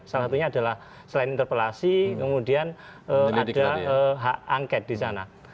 salah satunya adalah selain interpelasi kemudian ada hak angket di sana